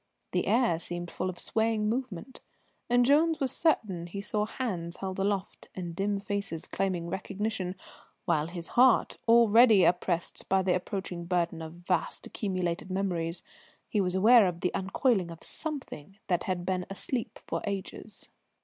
The air seemed full of swaying movement, and Jones was certain he saw hands held aloft and dim faces claiming recognition, while in his heart, already oppressed by the approaching burden of vast accumulated memories, he was aware of the uncoiling of something that had been asleep for ages.